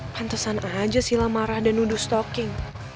pantesan aja silla marah dan nuduh stalking